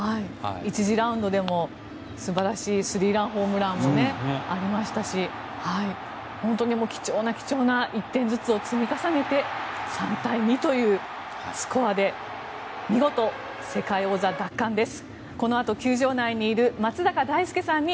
１次ラウンドでも素晴らしいスリーランホームランもありましたし本当に貴重な貴重な１点ずつを積み重ねて３対２というスコアで見事、世界王座奪還です。